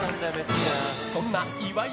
そんな岩井